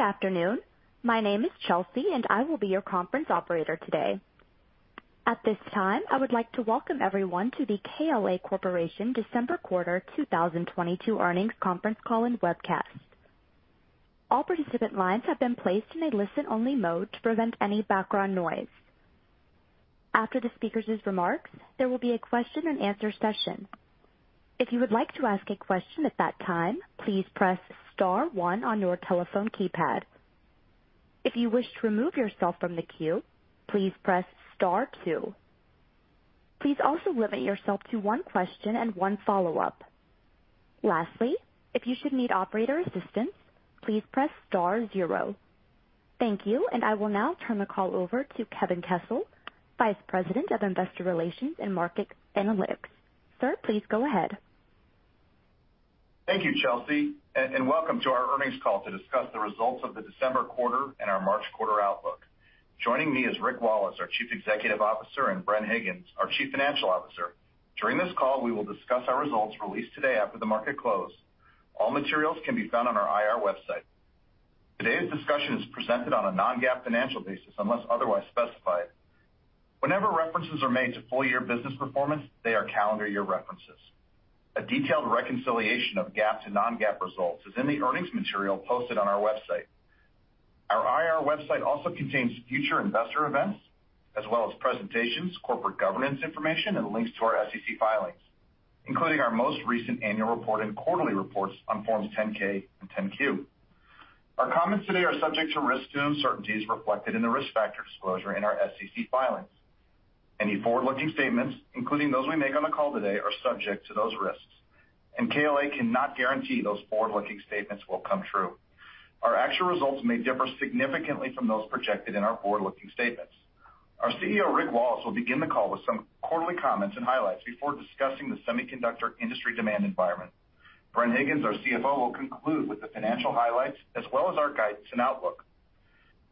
Good afternoon. My name is Chelsea, and I will be your conference operator today. At this time, I would like to welcome everyone to the KLA Corporation December quarter 2022 earnings conference call and webcast. All participant lines have been placed in a listen-only mode to prevent any background noise. After the speakers' remarks, there will be a question and answer session. If you would like to ask a question at that time, please press star one on your telephone keypad. If you wish to remove yourself from the queue, please press star two. Please also limit yourself to one question and one follow-up. Lastly, if you should need operator assistance, please press star zero. Thank you, and I will now turn the call over to Kevin Kessel, Vice President of Investor Relations and Market Analytics. Sir, please go ahead. Thank you, Chelsea, and welcome to our earnings call to discuss the results of the December quarter and our March quarter outlook. Joining me is Rick Wallace, our Chief Executive Officer, and Bren Higgins, our Chief Financial Officer. During this call, we will discuss our results released today after the market close. All materials can be found on our IR website. Today's discussion is presented on a non-GAAP financial basis, unless otherwise specified. Whenever references are made to full year business performance, they are calendar year references. A detailed reconciliation of GAAP to non-GAAP results is in the earnings material posted on our website. Our IR website also contains future investor events as well as presentations, corporate governance information, and links to our SEC filings, including our most recent annual report and quarterly reports on Forms 10-K and Form 10-Q. Our comments today are subject to risks and uncertainties reflected in the risk factor disclosure in our SEC filings. Any forward-looking statements, including those we make on the call today, are subject to those risks, and KLA cannot guarantee those forward-looking statements will come true. Our actual results may differ significantly from those projected in our forward-looking statements. Our CEO, Rick Wallace, will begin the call with some quarterly comments and highlights before discussing the semiconductor industry demand environment. Bren Higgins, our CFO, will conclude with the financial highlights as well as our guidance and outlook.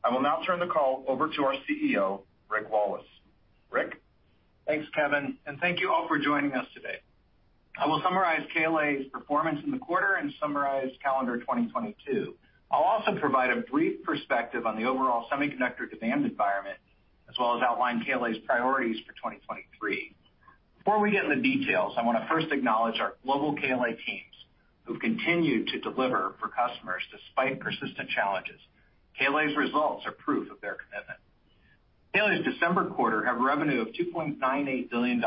I will now turn the call over to our CEO, Rick Wallace. Rick? Thanks, Kevin, thank you all for joining us today. I will summarize KLA's performance in the quarter and summarize calendar 2022. I'll also provide a brief perspective on the overall semiconductor demand environment, as well as outline KLA's priorities for 2023. Before we get in the details, I wanna first acknowledge our global KLA teams who've continued to deliver for customers despite persistent challenges. KLA's results are proof of their commitment. KLA's December quarter had revenue of $2.98 billion,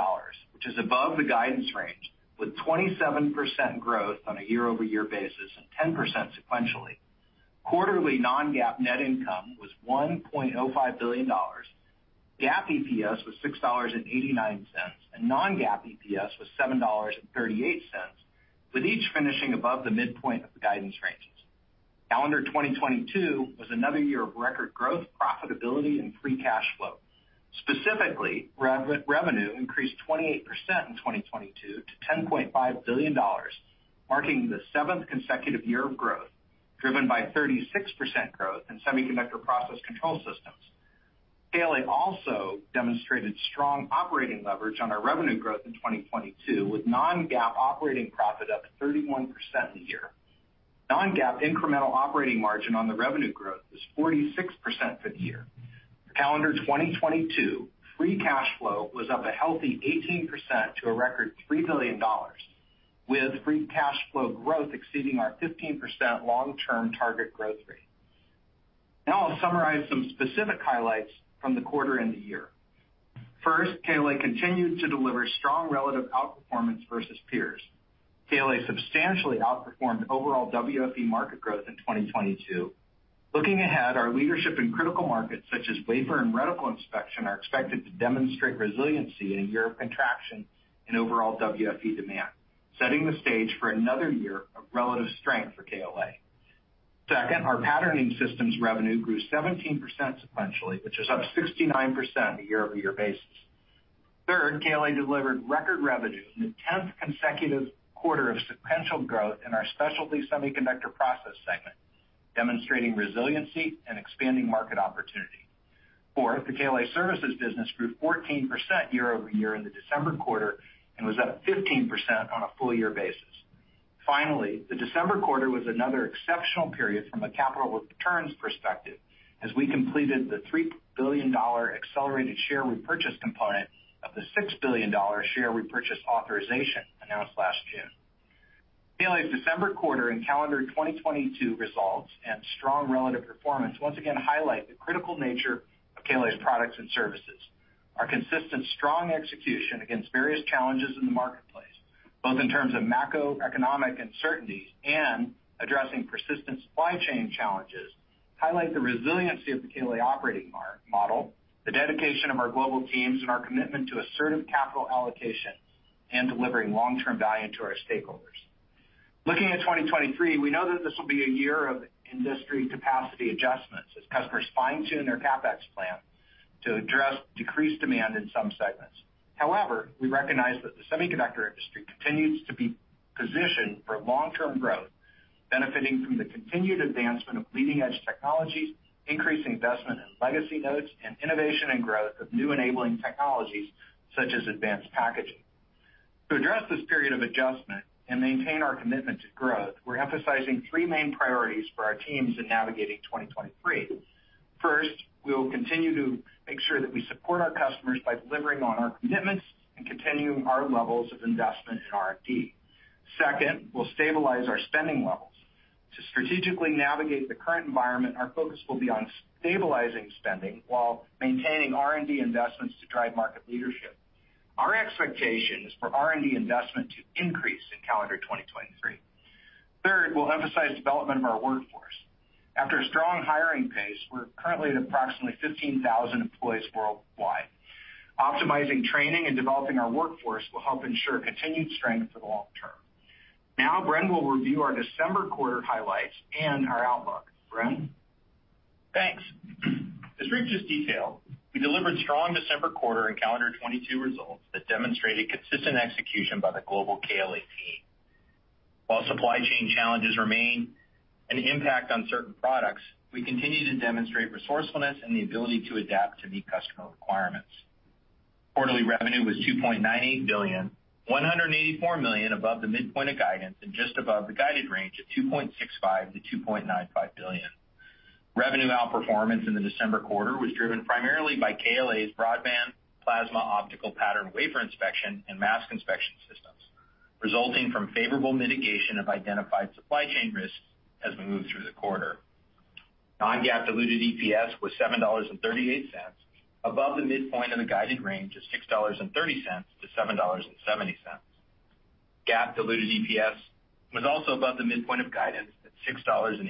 which is above the guidance range, with 27% growth on a year-over-year basis and 10% sequentially. Quarterly non-GAAP net income was $1.05 billion. GAAP EPS was $6.89, and non-GAAP EPS was $7.38, with each finishing above the midpoint of the guidance ranges. Calendar 2022 was another year of record growth, profitability and free cash flow. Specifically, revenue increased 28% in 2022 to $10.5 billion, marking the seventh consecutive year of growth, driven by 36% growth in Semiconductor Process Control systems. KLA also demonstrated strong operating leverage on our revenue growth in 2022, with non-GAAP operating profit up 31% year. non-GAAP incremental operating margin on the revenue growth was 46% for the year. For calendar 2022, free cash flow was up a healthy 18% to a record $3 billion, with free cash flow growth exceeding our 15% long-term target growth rate. I'll summarize some specific highlights from the quarter and the year. First, KLA continued to deliver strong relative outperformance versus peers. KLA substantially outperformed overall WFE market growth in 2022. Looking ahead, our leadership in critical markets such as wafer and reticle inspection are expected to demonstrate resiliency in a year of contraction in overall WFE demand, setting the stage for another year of relative strength for KLA. Second, our patterning systems revenue grew 17% sequentially, which is up 69% year-over-year basis. Third, KLA delivered record revenue in the 10th consecutive quarter of sequential growth in our specialty semiconductor process segment, demonstrating resiliency and expanding market opportunity. Fourth, the KLA Services business grew 14% year-over-year in the December quarter and was up 15% on a full year basis. The December quarter was another exceptional period from a capital returns perspective as we completed the $3 billion accelerated share repurchase component of the $6 billion share repurchase authorization announced last June. KLA's December quarter and calendar 2022 results and strong relative performance once again highlight the critical nature of KLA's products and services. Our consistent strong execution against various challenges in the marketplace, both in terms of macroeconomic uncertainties and addressing persistent supply chain challenges, highlight the resiliency of the KLA operating model, the dedication of our global teams, and our commitment to assertive capital allocation and delivering long-term value to our stakeholders. Looking at 2023, we know that this will be a year of industry capacity adjustments as customers fine-tune their CapEx plan to address decreased demand in some segments. We recognize that the semiconductor industry continues to be positioned for long-term growth, benefiting from the continued advancement of leading-edge technologies, increased investment in legacy nodes, and innovation and growth of new enabling technologies such as advanced packaging. To address this period of adjustment and maintain our commitment to growth, we're emphasizing three main priorities for our teams in navigating 2023. We will continue to make sure that we support our customers by delivering on our commitments and continuing our levels of investment in R&D. We'll stabilize our spending levels. To strategically navigate the current environment, our focus will be on stabilizing spending while maintaining R&D investments to drive market leadership. Our expectation is for R&D investment to increase in calendar 2023. We'll emphasize development of our workforce. After a strong hiring pace, we're currently at approximately 15,000 employees worldwide. Optimizing training and developing our workforce will help ensure continued strength for the long term. Now, Bren will review our December quarter highlights and our outlook. Bren? Thanks. As Rick just detailed, we delivered strong December quarter and calendar 2022 results that demonstrated consistent execution by the global KLA team. While supply chain challenges remain an impact on certain products, we continue to demonstrate resourcefulness and the ability to adapt to meet customer requirements. Quarterly revenue was $2.98 billion, $184 million above the midpoint of guidance and just above the guided range of $2.65 billion-$2.95 billion. Revenue outperformance in the December quarter was driven primarily by KLA's broadband plasma optical pattern wafer inspection and mask inspection systems, resulting from favorable mitigation of identified supply chain risks as we moved through the quarter. Non-GAAP diluted EPS was $7.38, above the midpoint of the guided range of $6.30-$7.70. GAAP diluted EPS was also above the midpoint of guidance at $6.89.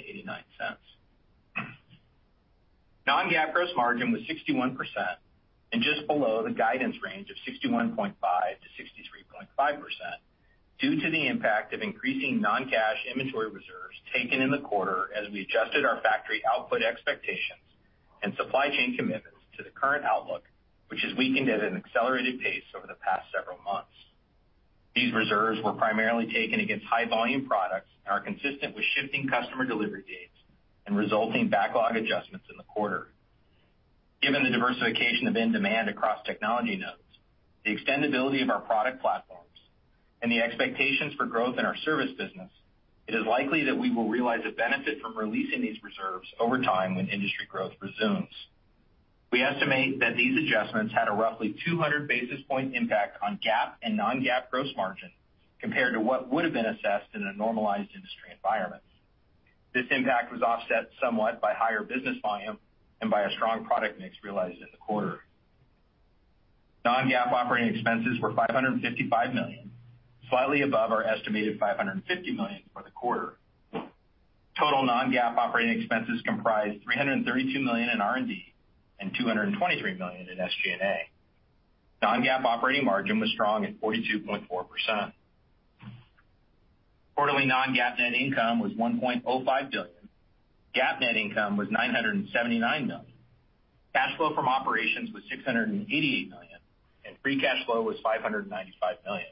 Non-GAAP gross margin was 61% and just below the guidance range of 61.5%-63.5%, due to the impact of increasing non-cash inventory reserves taken in the quarter as we adjusted our factory output expectations and supply chain commitments to the current outlook, which has weakened at an accelerated pace over the past several months. These reserves were primarily taken against high-volume products and are consistent with shifting customer delivery dates and resulting backlog adjustments in the quarter. Given the diversification of end demand across technology nodes, the extendability of our product platforms, and the expectations for growth in our service business, it is likely that we will realize a benefit from releasing these reserves over time when industry growth resumes. We estimate that these adjustments had a roughly 200 basis point impact on GAAP and non-GAAP gross margin compared to what would have been assessed in a normalized industry environment. This impact was offset somewhat by higher business volume and by a strong product mix realized in the quarter. Non-GAAP operating expenses were $555 million, slightly above our estimated $550 million for the quarter. Total non-GAAP operating expenses comprised $332 million in R&D and $223 million in SG&A. Non-GAAP operating margin was strong at 42.4%. Quarterly non-GAAP net income was $1.05 billion. GAAP net income was $979 million. Cash flow from operations was $688 million, and free cash flow was $595 million.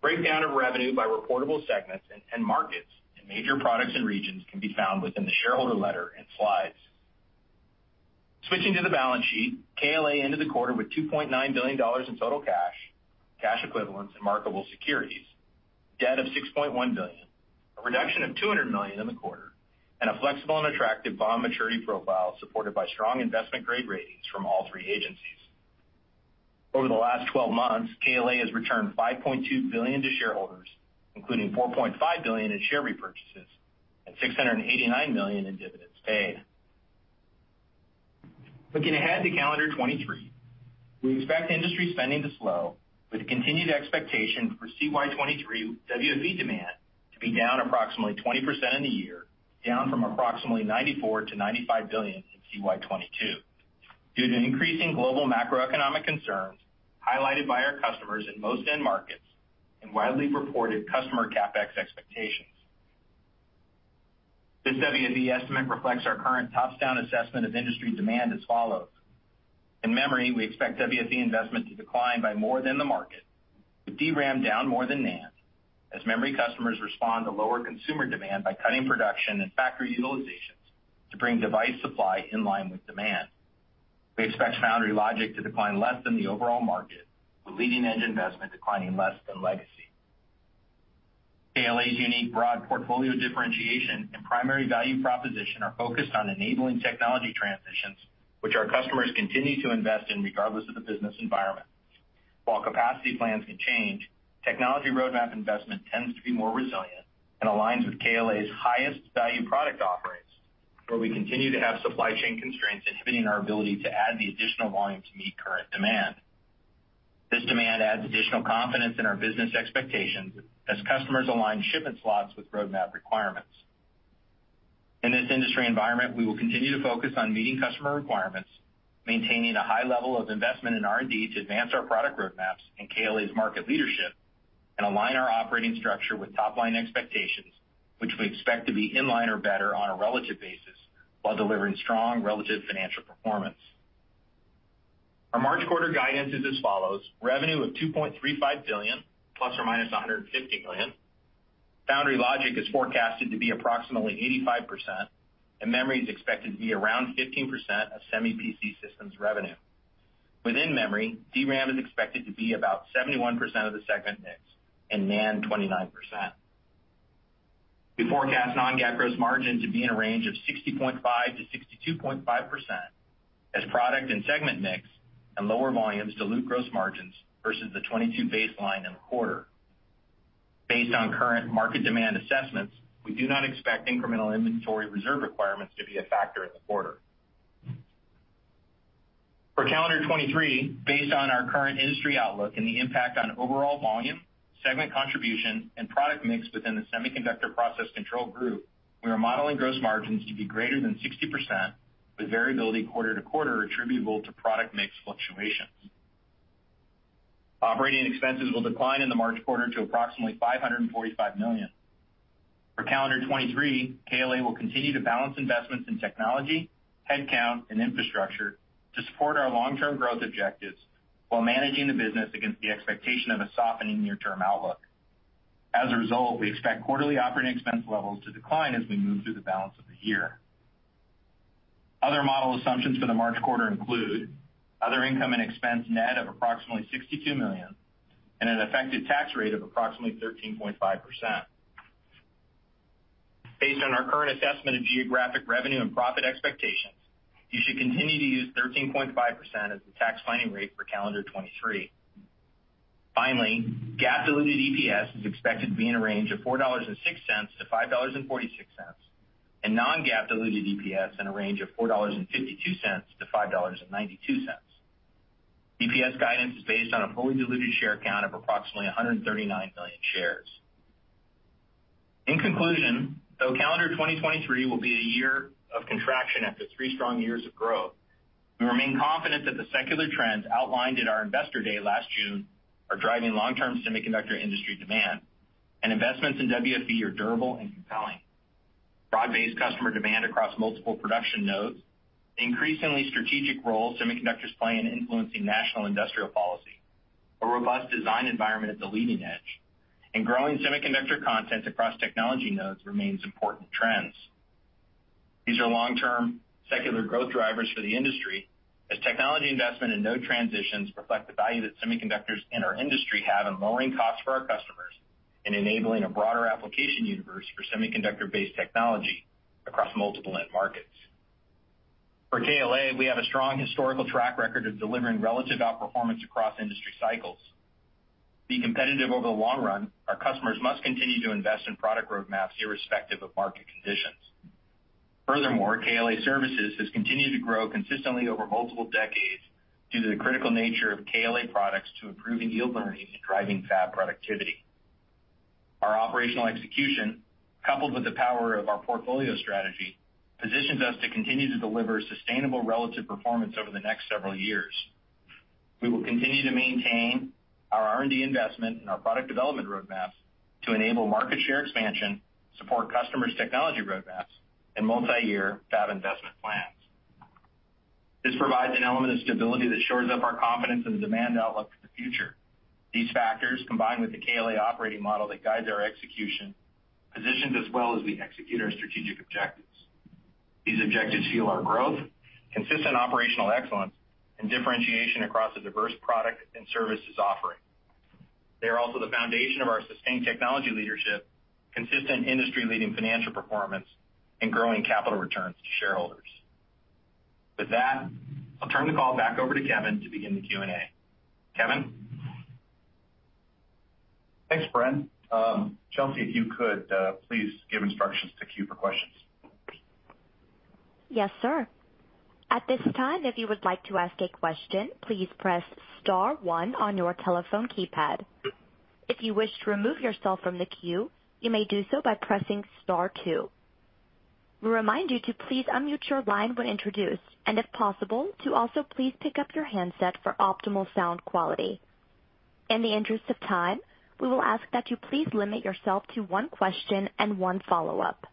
Breakdown of revenue by reportable segments and markets and major products and regions can be found within the shareholder letter and slides. Switching to the balance sheet, KLA ended the quarter with $2.9 billion in total cash equivalents and marketable securities, debt of $6.1 billion, a reduction of $200 million in the quarter, and a flexible and attractive bond maturity profile supported by strong investment-grade ratings from all three agencies. Over the last 12 months, KLA has returned $5.2 billion to shareholders, including $4.5 billion in share repurchases and $689 million in dividends paid. Looking ahead to calendar 2023, we expect industry spending to slow with a continued expectation for CY 2023 WFE demand to be down approximately 20% in the year, down from approximately $94 billion-$95 billion in CY 2022 due to increasing global macroeconomic concerns highlighted by our customers in most end markets and widely reported customer CapEx expectations. This WFE estimate reflects our current top-down assessment of industry demand as follows. In memory, we expect WFE investment to decline by more than the market, with DRAM down more than NAND, as memory customers respond to lower consumer demand by cutting production and factory utilizations to bring device supply in line with demand. We expect foundry logic to decline less than the overall market, with leading-edge investment declining less than legacy. KLA's unique broad portfolio differentiation and primary value proposition are focused on enabling technology transitions which our customers continue to invest in regardless of the business environment. While capacity plans can change, technology roadmap investment tends to be more resilient and aligns with KLA's highest value product offerings, where we continue to have supply chain constraints inhibiting our ability to add the additional volume to meet current demand. This demand adds additional confidence in our business expectations as customers align shipment slots with roadmap requirements. In this industry environment, we will continue to focus on meeting customer requirements, maintaining a high level of investment in R&D to advance our product roadmaps and KLA's market leadership, and align our operating structure with top-line expectations, which we expect to be in line or better on a relative basis while delivering strong relative financial performance. Our March quarter guidance is as follows: revenue of $2.35 billion, ±$150 million. Foundry logic is forecasted to be approximately 85%, and memory is expected to be around 15% of Semi PC systems revenue. Within memory, DRAM is expected to be about 71% of the segment mix, and NAND 29%. We forecast non-GAAP gross margin to be in a range of 60.5%-62.5% as product and segment mix and lower volumes dilute gross margins versus the 2022 baseline in the quarter. Based on current market demand assessments, we do not expect incremental inventory reserve requirements to be a factor in the quarter. For calendar 2023, based on our current industry outlook and the impact on overall volume, segment contribution, and product mix within the Semiconductor Process Control group, we are modeling gross margins to be greater than 60%, with variability quarter-to-quarter attributable to product mix fluctuations. Operating expenses will decline in the March quarter to approximately $545 million. For calendar 2023, KLA will continue to balance investments in technology, headcount, and infrastructure to support our long-term growth objectives while managing the business against the expectation of a softening near-term outlook. As a result, we expect quarterly operating expense levels to decline as we move through the balance of the year. Other model assumptions for the March quarter include other income and expense net of approximately $62 million and an effective tax rate of approximately 13.5%. Based on our current assessment of geographic revenue and profit expectations, you should continue to use 13.5% as the tax planning rate for calendar 2023. GAAP diluted EPS is expected to be in a range of $4.06-$5.46, and non-GAAP diluted EPS in a range of $4.52-$5.92. EPS guidance is based on a fully diluted share count of approximately 139 million shares. Though calendar 2023 will be a year of contraction after three strong years of growth, we remain confident that the secular trends outlined in our investor day last June are driving long-term semiconductor industry demand, and investments in WFE are durable and compelling. Broad-based customer demand across multiple production nodes, the increasingly strategic role semiconductors play in influencing national industrial policy, a robust design environment at the leading edge, and growing semiconductor content across technology nodes remains important trends. These are long-term secular growth drivers for the industry, as technology investment and node transitions reflect the value that semiconductors in our industry have in lowering costs for our customers and enabling a broader application universe for semiconductor-based technology across multiple end markets. For KLA, we have a strong historical track record of delivering relative outperformance across industry cycles. Furthermore, KLA Services has continued to grow consistently over multiple decades due to the critical nature of KLA products to improving yield learning and driving fab productivity. Our operational execution, coupled with the power of our portfolio strategy, positions us to continue to deliver sustainable relative performance over the next several years. We will continue to maintain our R&D investment and our product development roadmap to enable market share expansion, support customers' technology roadmaps, and multiyear fab investment plans. This provides an element of stability that shores up our confidence in the demand outlook for the future. These factors, combined with the KLA operating model that guides our execution, positions us well as we execute our strategic objectives. These objectives fuel our growth, consistent operational excellence, and differentiation across a diverse product and services offering. They are also the foundation of our sustained technology leadership, consistent industry-leading financial performance, and growing capital returns to shareholders. With that, I'll turn the call back over to Kevin to begin the Q&A. Kevin? Thanks, Bren. Chelsea, if you could, please give instructions to queue for questions. Yes, sir. At this time, if you would like to ask a question, please press star one on your telephone keypad. If you wish to remove yourself from the queue, you may do so by pressing star two. We remind you to please unmute your line when introduced, and if possible, to also please pick up your handset for optimal sound quality. In the interest of time, we will ask that you please limit yourself to one question and one follow-up.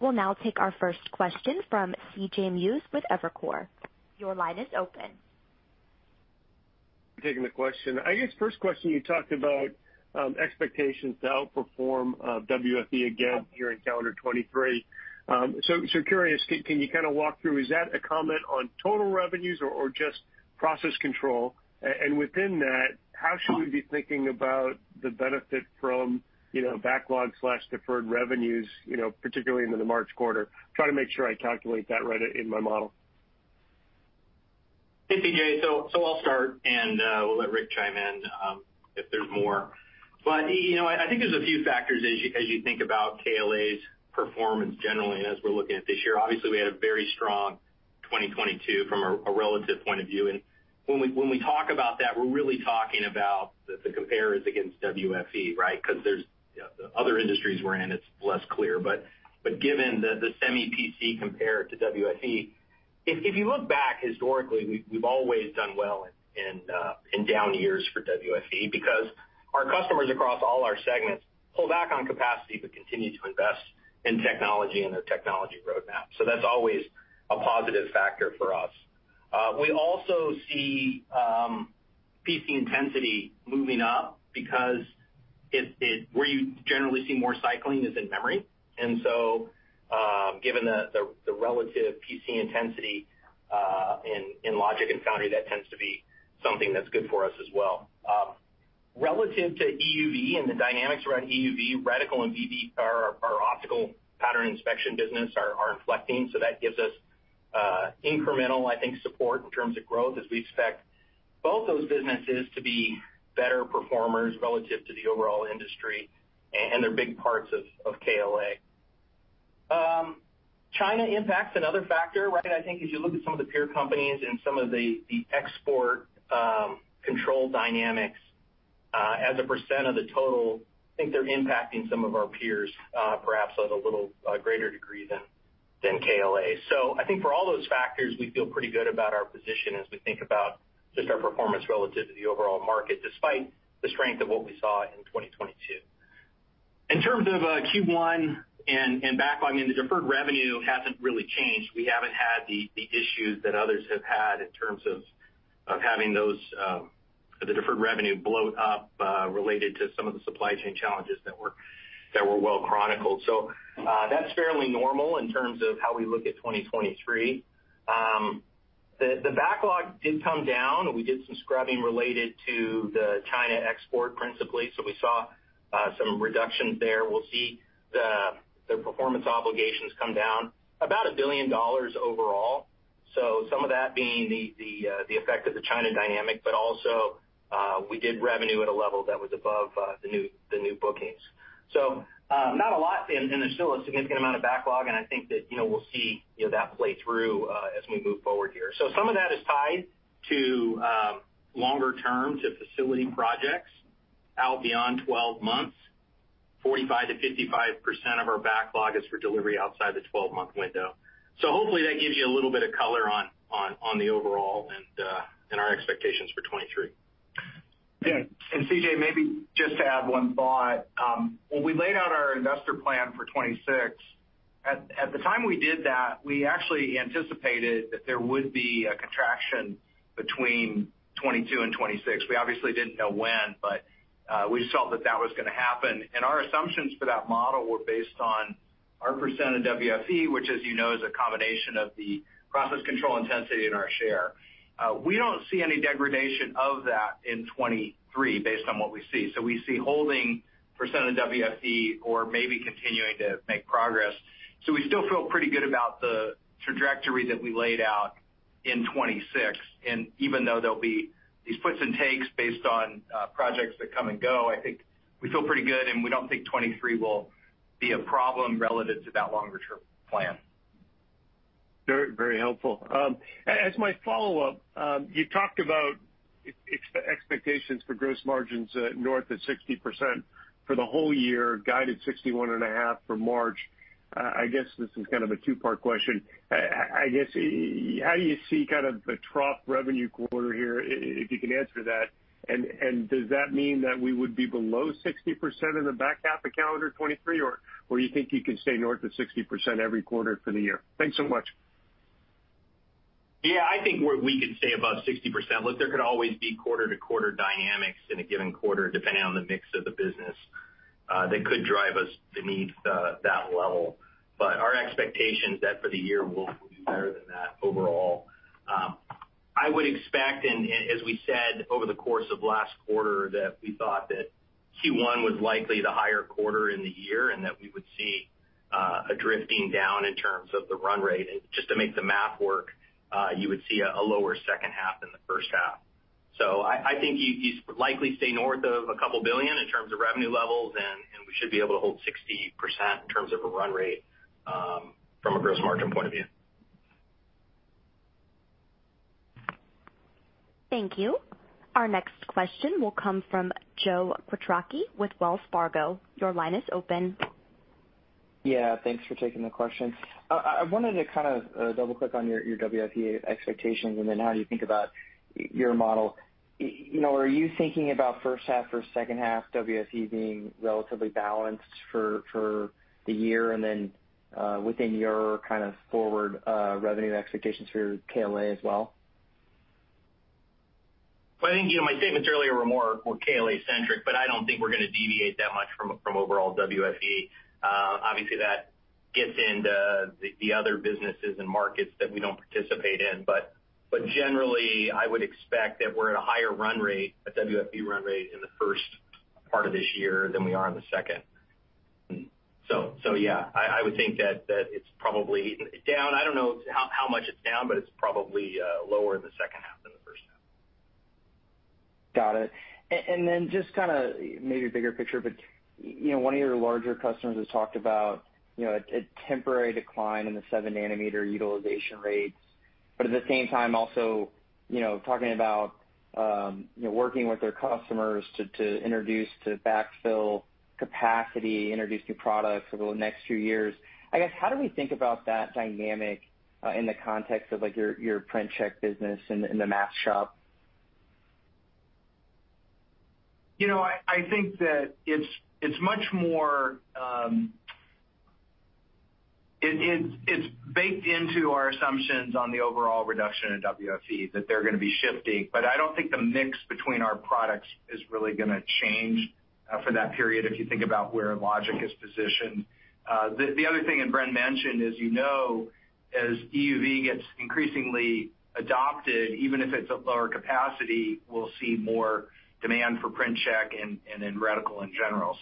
We'll now take our first question from C.J. Muse with Evercore. Your line is open. Taking the question. I guess first question, you talked about expectations to outperform WFE again here in calendar 2023. Curious, can you kind of walk through, is that a comment on total revenues or just process control? Within that, how should we be thinking about the benefit from, you know, backlog/deferred revenues, you know, particularly into the March quarter? Try to make sure I calculate that right in my model. Hey, C.J. I'll start, and we'll let Rick chime in, if there's more. You know, I think there's a few factors as you, as you think about KLA's performance generally as we're looking at this year. Obviously, we had a very strong 2022 from a relative point of view. When we talk about that, we're really talking about the compares against WFE, right? Because there's, you know, the other industries we're in, it's less clear. Given the Semi PC compared to WFE, if you look back historically, we've always done well in down years for WFE because our customers across all our segments pull back on capacity, but continue to invest in technology and their technology roadmap. That's always a positive factor for us. We also see PC intensity moving up because where you generally see more cycling is in memory. Given the relative PC intensity in logic and foundry, that tends to be something that's good for us as well. Relative to EUV and the dynamics around EUV, Reticle and VV, our optical pattern inspection business are inflecting, so that gives us incremental, I think, support in terms of growth as we expect both those businesses to be better performers relative to the overall industry, and they're big parts of KLA. China impact's another factor, right? I think as you look at some of the peer companies and some of the export, control dynamics, as a percent of the total, I think they're impacting some of our peers, perhaps at a little greater degree than KLA. I think for all those factors, we feel pretty good about our position as we think about just our performance relative to the overall market, despite the strength of what we saw in 2022. In terms of Q1 and backlog, I mean, the deferred revenue hasn't really changed. We haven't had the issues that others have had in terms of having those, the deferred revenue blow up, related to some of the supply chain challenges that were, that were well chronicled. That's fairly normal in terms of how we look at 2023. The backlog did come down. We did some scrubbing related to the China export principally, we saw some reductions there. We'll see the performance obligations come down about $1 billion overall. Some of that being the effect of the China dynamic, but also, we did revenue at a level that was above the new bookings. Not a lot, and there's still a significant amount of backlog, and I think that, you know, we'll see, you know, that play through as we move forward here. Some of that is tied to longer terms of facility projects out beyond 12 months. 45%-55% of our backlog is for delivery outside the 12-month window. Hopefully that gives you a little bit of color on the overall and our expectations for 2023. Yeah. CJ Muse, maybe just to add one thought. When we laid out our investor plan for 2026, at the time we did that, we actually anticipated that there would be a contraction between 2022 and 2026. We obviously didn't know when, but we just felt that that was gonna happen. Our assumptions for that model were based on our % of WFE, which as you know, is a combination of the process control intensity and our share. We don't see any degradation of that in 2023 based on what we see. We see holding % of the WFE or maybe continuing to make progress. We still feel pretty good about the trajectory that we laid out in 2026. Even though there'll be these puts and takes based on projects that come and go, I think we feel pretty good, and we don't think 23 will be a problem relative to that longer term plan. Very, very helpful. As my follow-up, you talked about expectations for gross margins, north of 60% for the whole year, guided 61.5% for March. I guess this is kind of a two-part question. I guess, how do you see kind of the trough revenue quarter here, if you can answer that, and does that mean that we would be below 60% in the back half of calendar 23, or you think you can stay north of 60% every quarter for the year? Thanks so much. Yeah. I think we can stay above 60%. Look, there could always be quarter-to-quarter dynamics in a given quarter, depending on the mix of the business, that could drive us beneath that level. Our expectation is that for the year we'll be better than that overall. I would expect, and as we said over the course of last quarter, that we thought that Q1 was likely the higher quarter in the year, and that we would see a drifting down in terms of the run rate. Just to make the math work, you would see a lower second half than the first half. I think you likely stay north of a couple billion USD in terms of revenue levels, and we should be able to hold 60% in terms of a run rate, from a gross margin point of view. Thank you. Our next question will come from Joe Quatrochi with Wells Fargo. Your line is open. Yeah. Thanks for taking the question. I wanted to kind of double-click on your WFE expectations and then how you think about your model. You know, are you thinking about first half or second half WFE being relatively balanced for the year and then within your kind of forward revenue expectations for KLA as well? Well, I think, you know, my statements earlier were more, were KLA-centric, but I don't think we're gonna deviate that much from overall WFE. Obviously, that gets into the other businesses and markets that we don't participate in. Generally, I would expect that we're at a higher run rate, a WFE run rate, in the first part of this year than we are in the second. Yeah, I would think that it's probably down. I don't know how much it's down, but it's probably lower in the second half than the first half. Got it. And then just kinda maybe a bigger picture, you know, one of your larger customers has talked about, you know, a temporary decline in the 7 nm utilization rates, but at the same time also, you know, talking about, you know, working with their customers to introduce, to backfill capacity, introduce new products over the next few years. I guess, how do we think about that dynamic in the context of, like, your PrintCheck business in the mask shop? You know, I think that it's much more. It's baked into our assumptions on the overall reduction in WFE that they're gonna be shifting. I don't think the mix between our products is really gonna change for that period if you think about where Logic is positioned. The other thing, Bren mentioned, as you know, as EUV gets increasingly adopted, even if it's at lower capacity, we'll see more demand for PrintCheck and in Reticle in general.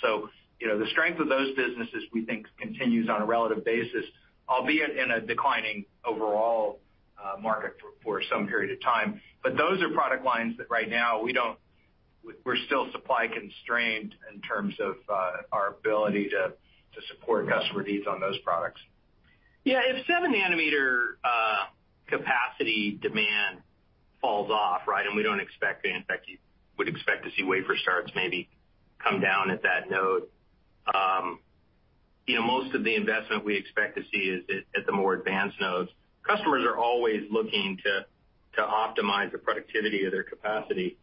You know, the strength of those businesses, we think continues on a relative basis, albeit in a declining overall market for some period of time. Those are product lines that right now we're still supply constrained in terms of our ability to support customer needs on those products. If 7 nm capacity demand falls off, right, and we don't expect in fact you would expect to see wafer starts maybe come down at that node. You know, most of the investment we expect to see is at the more advanced nodes. Customers are always looking to optimize the productivity of their capacity.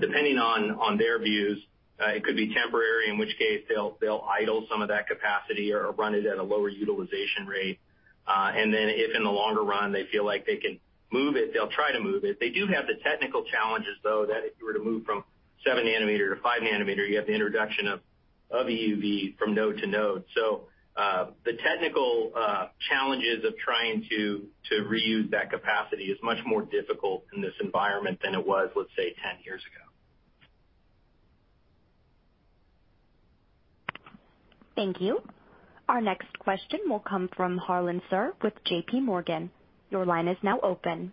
Depending on their views, it could be temporary, in which case they'll idle some of that capacity or run it at a lower utilization rate. Then if in the longer run they feel like they can move it, they'll try to move it. They do have the technical challenges though, that if you were to move from 7 nm to 5 nm, you have the introduction of EUV from node to node. The technical challenges of trying to reuse that capacity is much more difficult in this environment than it was, let's say, 10 years ago. Thank you. Our next question will come from Harlan Sur with JPMorgan. Your line is now open.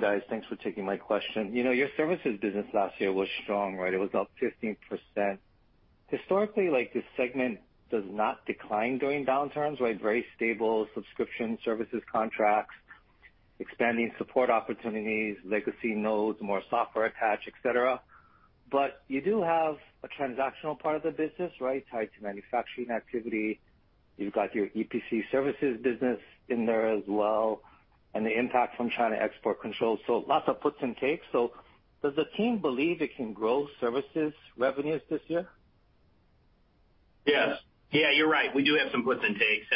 Guys, thanks for taking my question. You know, your services business last year was strong, right? It was up 15%. Historically, like this segment does not decline during downturns, right? Very stable subscription services contracts, expanding support opportunities, legacy nodes, more software attach, et cetera. You do have a transactional part of the business, right, tied to manufacturing activity. You've got your EPC services business in there as well, and the impact from China export controls. Lots of puts and takes. Does the team believe it can grow services revenues this year? Yes. Yeah, you're right. We do have some puts and takes.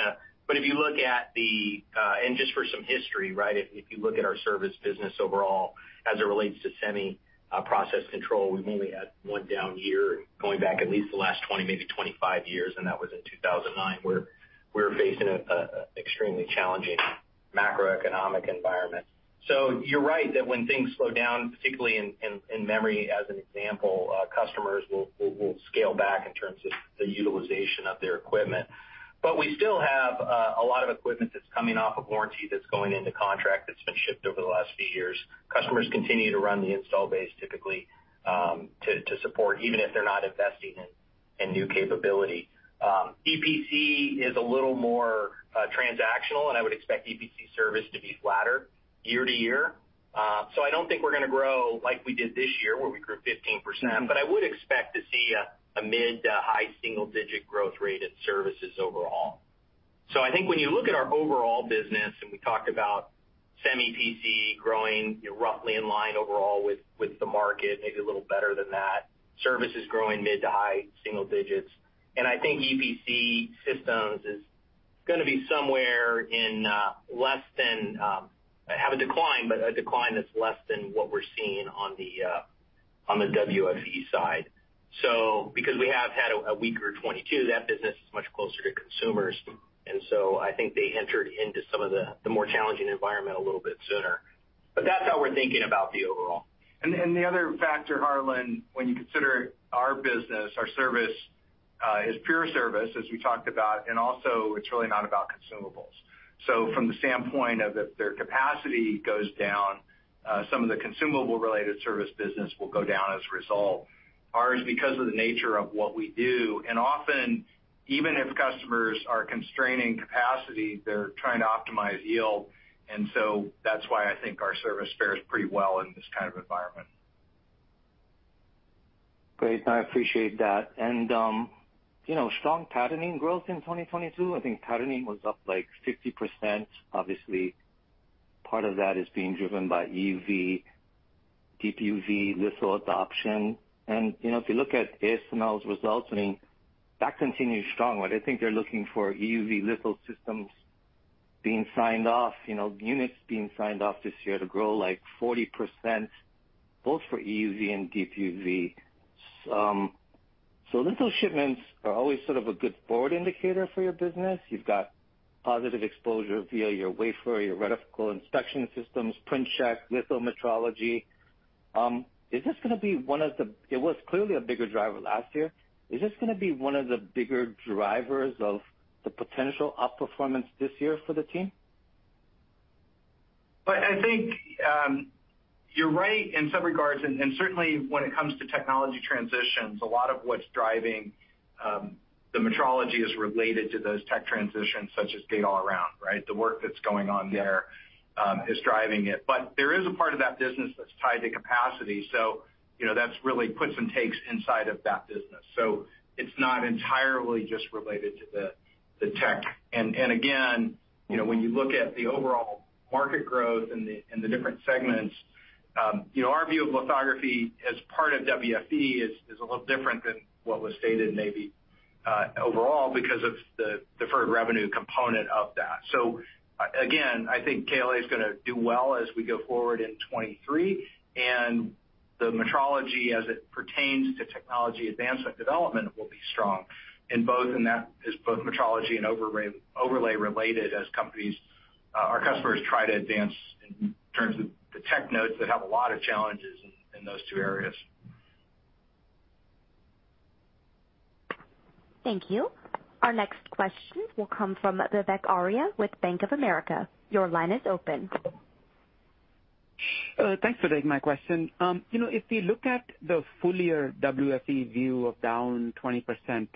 If you look at the, and just for some history, right, if you look at our service business overall as it relates to semi process control, we've only had one down year going back at least the last 20, maybe 25 years, and that was in 2009, where we were facing a extremely challenging macroeconomic environment. You're right that when things slow down, particularly in memory as an example, customers will scale back in terms of the utilization of their equipment. We still have a lot of equipment that's coming off of warranty that's going into contract that's been shipped over the last few years. Customers continue to run the install base typically, to support, even if they're not investing in new capability. EPC is a little more transactional, and I would expect EPC service to be flatter year-to-year. I don't think we're gonna grow like we did this year, where we grew 15%. I would expect to see a mid to high single-digit growth rate in services overall. I think when you look at our overall business, and we talked about Semi PC growing, you know, roughly in line overall with the market, maybe a little better than that. Service is growing mid to high single-digits. I think EPC systems is gonna be somewhere in less than have a decline, but a decline that's less than what we're seeing on the WFE side. Because we have had a weaker 2022, that business is much closer to consumers. I think they entered into some of the more challenging environment a little bit sooner. That's how we're thinking about the overall. The other factor, Harlan, when you consider our business, our service is pure service, as we talked about, and also it's really not about consumables. From the standpoint of if their capacity goes down, some of the consumable related service business will go down as a result. Ours, because of the nature of what we do, and often even if customers are constraining capacity, they're trying to optimize yield. That's why I think our service fares pretty well in this kind of environment. Great. I appreciate that. you know, strong patterning growth in 2022. I think patterning was up like 50%. Obviously, part of that is being driven by EUV, deep UV, litho adoption. you know, if you look at ASML's results, I mean, that continues strong. What I think they're looking for EUV litho systems being signed off, you know, units being signed off this year to grow like 40%, both for EUV and deep UV. Litho shipments are always sort of a good forward indicator for your business. You've got positive exposure via your wafer, your reticle inspection systems, Print Check, litho metrology. It was clearly a bigger driver last year. Is this gonna be one of the bigger drivers of the potential outperformance this year for the team? I think, you're right in some regards, and certainly when it comes to technology transitions, a lot of what's driving the metrology is related to those tech transitions, such as gate-all-around, right? The work that's going on there is driving it. There is a part of that business that's tied to capacity, so, you know, that's really puts and takes inside of that business. It's not entirely just related to the tech. You know, when you look at the overall market growth in the, in the different segments, you know, our view of lithography as part of WFE is a little different than what was stated maybe overall because of the deferred revenue component of that. Again, I think KLA is gonna do well as we go forward in 2023. The metrology as it pertains to technology advancement development will be strong in both. That is both metrology and overlay related as companies, our customers try to advance in terms of the tech nodes that have a lot of challenges in those two areas. Thank you. Our next question will come from Vivek Arya with Bank of America. Your line is open. Thanks for taking my question. You know, if we look at the full year WFE view of down 20%,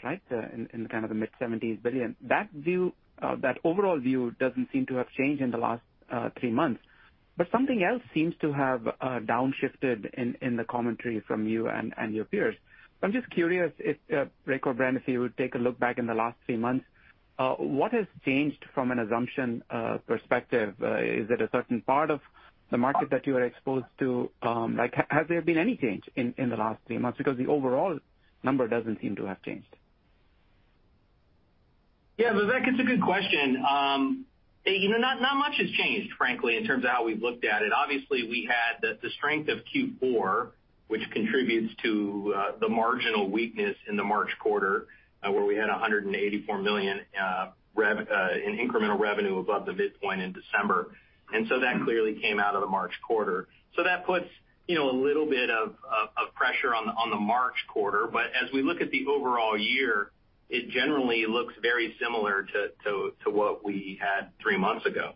right? kind of the mid-$70 billion. That view, that overall view doesn't seem to have changed in the last three months, but something else seems to have downshifted in the commentary from you and your peers. I'm just curious if Rick or Bren, if you would take a look back in the last three months, what has changed from an assumption perspective? Is it a certain part of the market that you are exposed to? Like, has there been any change in the last three months? Because the overall number doesn't seem to have changed. Yeah, Vivek, it's a good question. You know, not much has changed, frankly, in terms of how we've looked at it. Obviously, we had the strength of Q4, which contributes to the marginal weakness in the March quarter, where we had $184 million rev in incremental revenue above the midpoint in December. That clearly came out of the March quarter. That puts, you know, a little bit of pressure on the March quarter. As we look at the overall year, it generally looks very similar to what we had three months ago.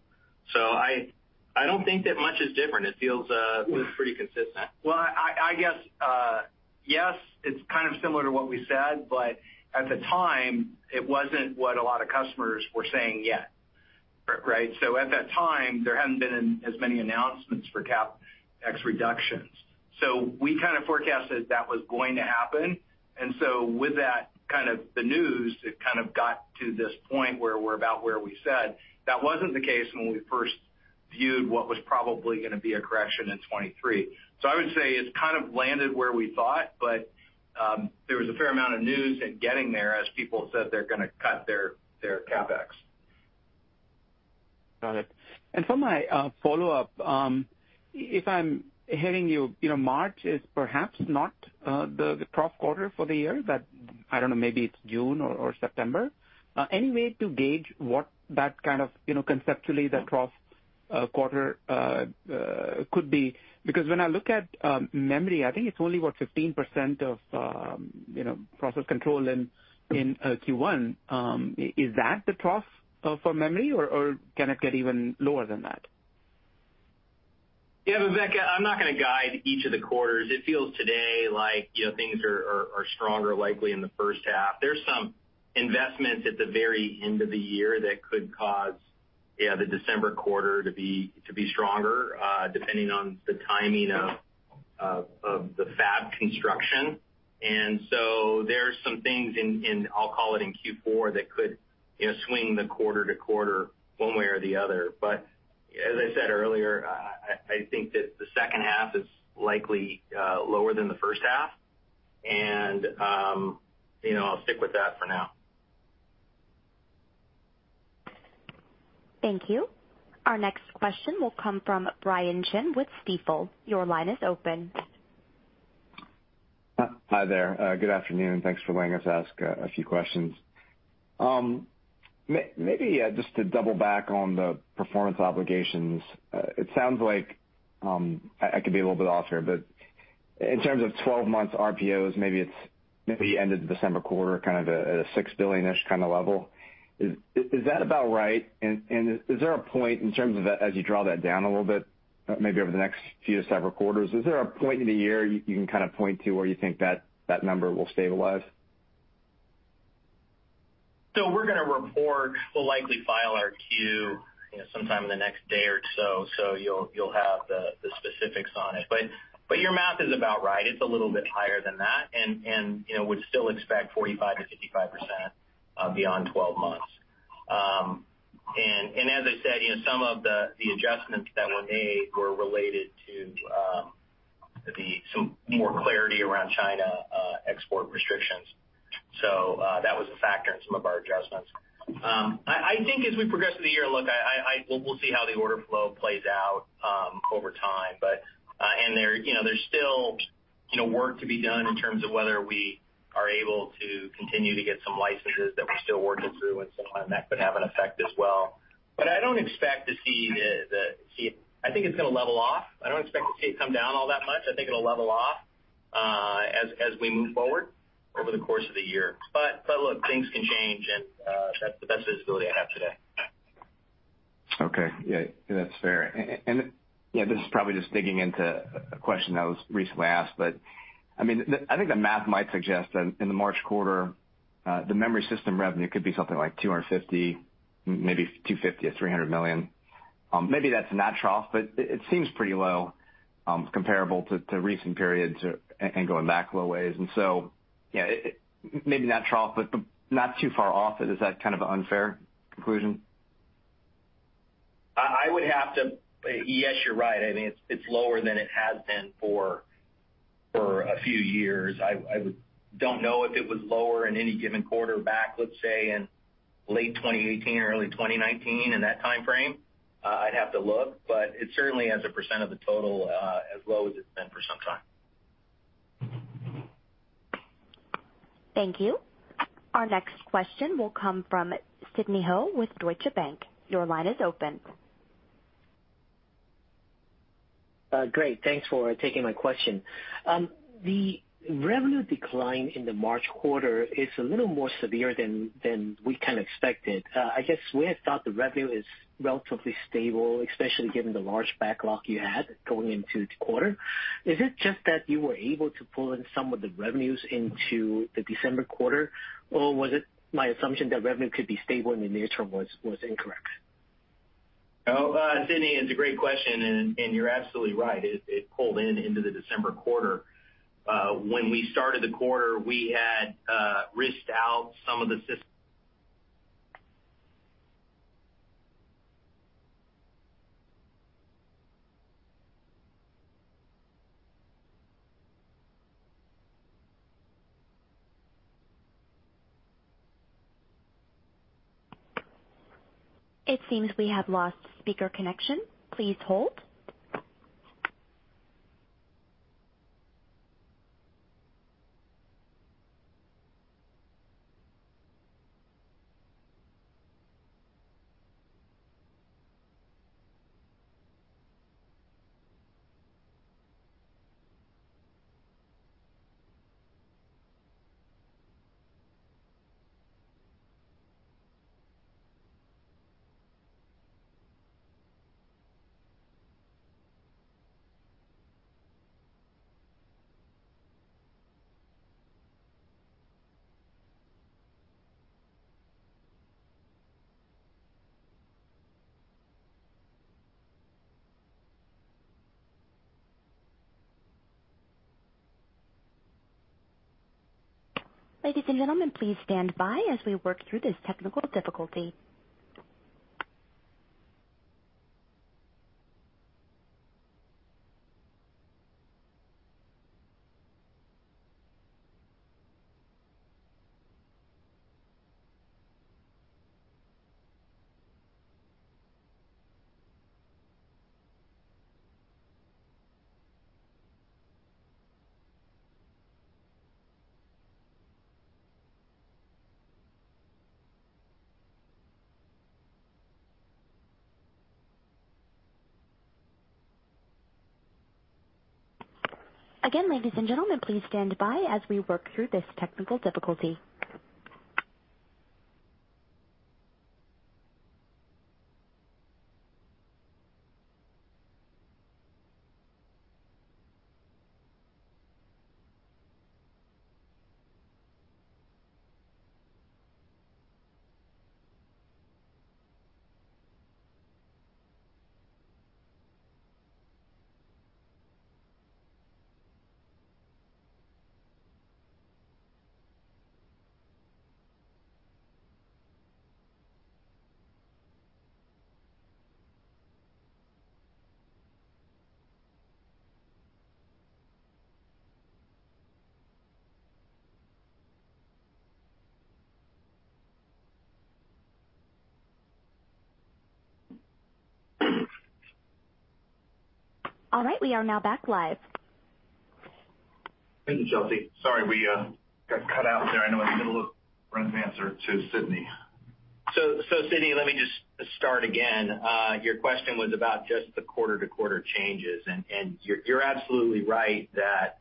I don't think that much is different. It feels pretty consistent. Well, I guess, yes, it's kind of similar to what we said, but at the time, it wasn't what a lot of customers were saying yet, right? At that time, there hadn't been as many announcements for CapEx reductions. We kind of forecasted that was going to happen. With that kind of the news, it kind of got to this point where we're about where we said. That wasn't the case when we first viewed what was probably gonna be a correction in 2023. I would say it's kind of landed where we thought, but there was a fair amount of news in getting there as people said they're gonna cut their CapEx. Got it. For my follow-up, if I'm hearing you know, March is perhaps not the trough quarter for the year, but I don't know, maybe it's June or September? Any way to gauge what that kind of, you know, conceptually the trough quarter could be? When I look at memory, I think it's only, what, 15% of, you know, process control in Q1. Is that the trough for memory, or can it get even lower than that? Vivek, I'm not gonna guide each of the quarters. It feels today like, you know, things are stronger likely in the first half. There's some investments at the very end of the year that could cause, the December quarter to be stronger, depending on the timing of the fab construction. So there's some things in I'll call it in Q4 that could, you know, swing the quarter to quarter one way or the other. As I said earlier, I think that the second half is likely lower than the first half. You know, I'll stick with that for now. Thank you. Our next question will come from Brian Chin with Stifel. Your line is open. Hi there. Good afternoon, and thanks for letting us ask a few questions. Maybe just to double back on the performance obligations, it sounds like I could be a little bit off here, but in terms of 12 months RPOs, maybe end of the December quarter, kind of at a $6 billion-ish kind of level. Is that about right? Is there a point in terms of that as you draw that down a little bit, maybe over the next few to several quarters, is there a point in the year you can kind of point to where you think that number will stabilize? We're gonna report, we'll likely file our Q, you know, sometime in the next day or so you'll have the specifics on it. Your math is about right. It's a little bit higher than that, and, you know, would still expect 45%-55% beyond 12 months. As I said, you know, some of the adjustments that were made were related to some more clarity around China export restrictions. That was a factor in some of our adjustments. I think as we progress through the year, look, we'll see how the order flow plays out over time, but and there, you know, there's still, you know, work to be done in terms of whether we are able to continue to get some licenses that we're still working through, and so how that could have an effect as well. I don't expect to see it. I think it's gonna level off. I don't expect to see it come down all that much. I think it'll level off as we move forward over the course of the year. Look, things can change, and that's the best visibility I have today. Okay. Yeah, that's fair. Yeah, this is probably just digging into a question that was recently asked, I mean, I think the math might suggest that in the March quarter, the memory system revenue could be something like $250 million, maybe $250 million-$300 million. Maybe that's not trough, but it seems pretty low, comparable to recent periods going back a little ways. Yeah, maybe not trough, but not too far off. Is that kind of an unfair conclusion? Yes, you're right. I mean, it's lower than it has been for a few years. I don't know if it was lower in any given quarter back, let's say, in late 2018 or early 2019, in that time frame. I'd have to look, but it certainly as a % of the total, as low as it's been for some time. Thank you. Our next question will come from Sidney Ho with Deutsche Bank. Your line is open. Great. Thanks for taking my question. The revenue decline in the March quarter is a little more severe than we kind of expected. I guess we had thought the revenue is relatively stable, especially given the large backlog you had going into the quarter. Is it just that you were able to pull in some of the revenues into the December quarter, or was it my assumption that revenue could be stable in the near term was incorrect? No, Sidney, it's a great question, and you're absolutely right. It pulled in into the December quarter. When we started the quarter, we had risked out some of the. It seems we have lost speaker connection. Please hold. Ladies and gentlemen, please stand by as we work through this technical difficulty. Ladies and gentlemen, please stand by as we work through this technical difficulty. We are now back live. Thank you, Chelsea. Sorry we got cut out there. I know in the middle of Bren's answer to Sidney. Sidney, let me just start again. Your question was about just the quarter-to-quarter changes. You're absolutely right that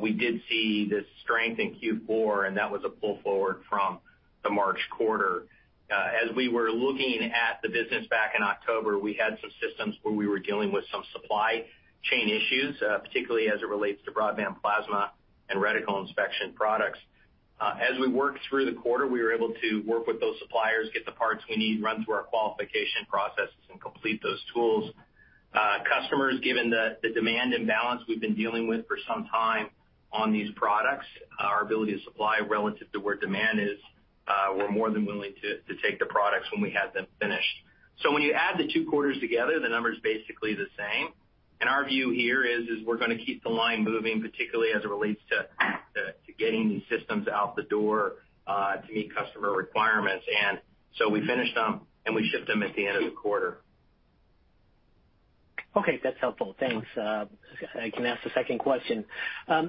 we did see this strength in Q4, and that was a pull forward from the March quarter. As we were looking at the business back in October, we had some systems where we were dealing with some supply chain issues, particularly as it relates to broadband plasma and reticle inspection products. As we worked through the quarter, we were able to work with those suppliers, get the parts we need, run through our qualification processes, and complete those tools. Customers, given the demand imbalance we've been dealing with for some time on these products, our ability to supply relative to where demand is, we're more than willing to take the products when we have them finished. When you add the two quarters together, the number is basically the same. Our view here is we're gonna keep the line moving, particularly as it relates to getting these systems out the door, to meet customer requirements. We finish them, and we ship them at the end of the quarter. Okay, that's helpful. Thanks. I can ask the second question.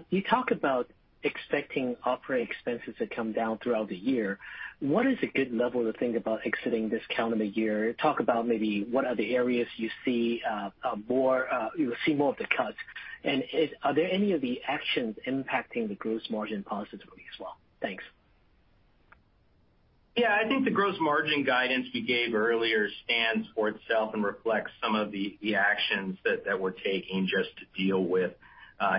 You talk about expecting operating expenses to come down throughout the year. What is a good level to think about exiting this calendar year? Talk about maybe what are the areas you see more of the cuts. Are there any of the actions impacting the gross margin positively as well? Thanks. I think the gross margin guidance we gave earlier stands for itself and reflects some of the actions that we're taking just to deal with.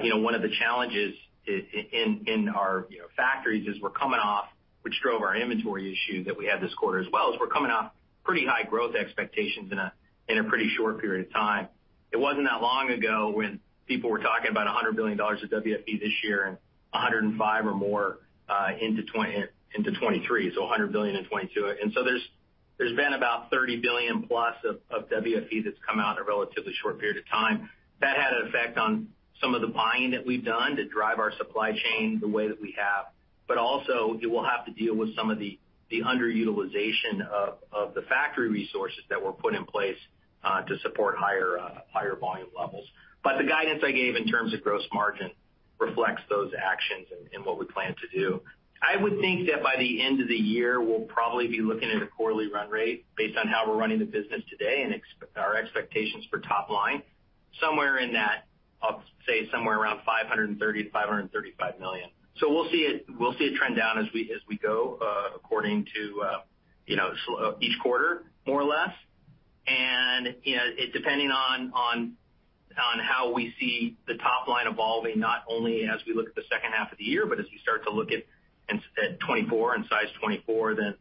you know, one of the challenges in our, you know, factories is we're coming off which drove our inventory issue that we had this quarter, as well as we're coming off pretty high growth expectations in a pretty short period of time. It wasn't that long ago when people were talking about $100 billion of WFE this year and $105 or more into 2023. $100 billion in 2022. There's been about $30 billion plus of WFE that's come out in a relatively short period of time. That had an effect on some of the buying that we've done to drive our supply chain the way that we have. Also, it will have to deal with some of the underutilization of the factory resources that were put in place to support higher volume levels. The guidance I gave in terms of gross margin reflects those actions and what we plan to do. I would think that by the end of the year, we'll probably be looking at a quarterly run rate based on how we're running the business today and our expectations for top line, somewhere in that, I'll say somewhere around $530 million-$535 million. We'll see it trend down as we go, according to, you know, each quarter, more or less. You know, it depending on how we see the top line evolving, not only as we look at the second half of the year, but as you start to look at at 24 and size 24, then,